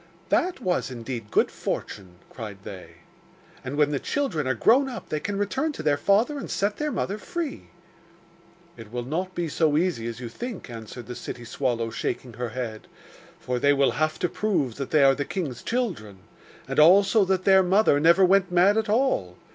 'That was indeed good fortune!' cried they. 'And when the children are grown up they can return to their father and set their mother free.' 'It will not be so easy as you think,' answered the city swallow, shaking her head; 'for they will have to prove that they are the king's children, and also that their mother never went mad at all.